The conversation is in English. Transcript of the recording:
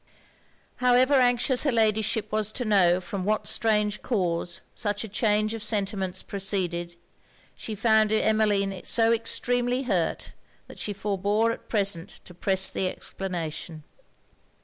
However anxious her Ladyship was to know from what strange cause such a change of sentiments proceeded, she found Emmeline so extremely hurt that she forbore at present to press the explanation.